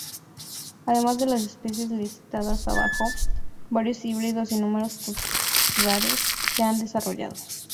Además de las especies listadas abajo, varios híbridos y numerosos cultivares se han desarrollado.